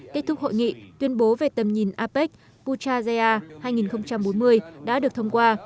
kết thúc hội nghị tuyên bố về tầm nhìn apec puchaya hai nghìn bốn mươi đã được thông qua